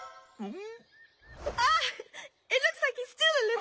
ん？